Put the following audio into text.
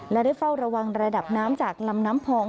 และได้เฝ้าระวังระดับน้ำจากลำน้ำพอง